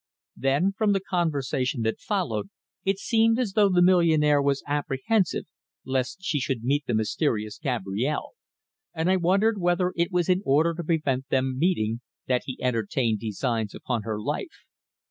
Then from the conversation that followed, it seemed as though the millionaire was apprehensive lest she should meet the mysterious Gabrielle, and I wondered whether it was in order to prevent them meeting that he entertained designs upon her life.